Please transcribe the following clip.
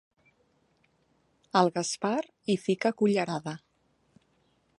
El Gaspar hi fica cullerada.